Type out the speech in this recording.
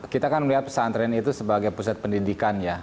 kita akan melihat pesantren itu sebagai pusat pendidikan